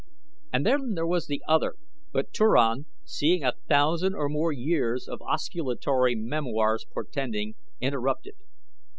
And then there was that other " but Turan, seeing a thousand or more years of osculatory memoirs portending, interrupted.